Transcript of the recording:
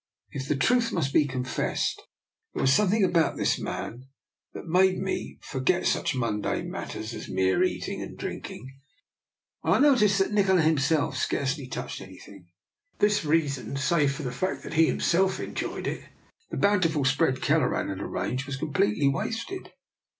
If the truth must be confessed, there was something about this man that made me for 44 DR. NIKOLA'S EXPERIMENT. get such mundane matters as mere eating and drinking. And I noticed that Nikola him self scarcely touched anything. For this rea son, save for the fact that he himself enjoyed it, the bountiful spread Kelleran had arranged was completely wasted.